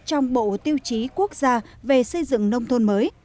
trong bộ tiêu chí quốc gia về xây dựng nông thôn mới